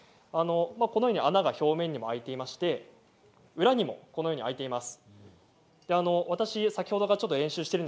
このように穴が表面に開いていまして裏にも開いています。